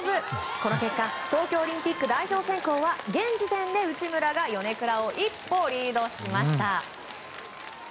この結果東京オリンピック代表選考は現時点で内村が米倉を一歩リードしました。